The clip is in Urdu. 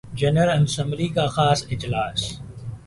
جنرل اسمبلی کا خاص اجلاس